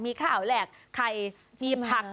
มีข่าวแลกไข่ผัก